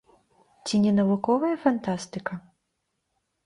Ці не навуковая фантастыка?